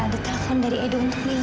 kamila ada telepon dari edo untuk mila